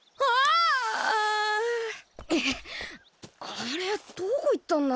あれどこ行ったんだ？